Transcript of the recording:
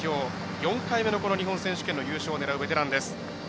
４回目の日本選手権の優勝を狙うベテランです。